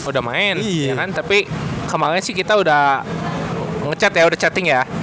udah main tapi kemarin sih kita udah ngechat ya udah chatting ya